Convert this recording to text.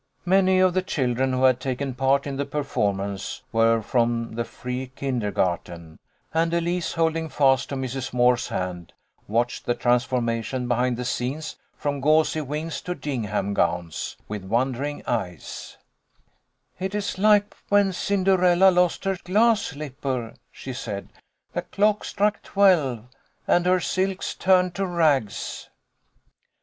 Many of the children who had taken part in the performance were from the free kindergarten, and Elise, holding fast to Mrs. Moore's hand, watched the transformation behind the scenes, from gauzy wings to gingham gowns, with wondering eyes. THE DAY AFTER THANKSGIVING. 185 " It is like when Cinderella lost her glass slipper," she said. " The clock struck twelve, and her silks turned to rags."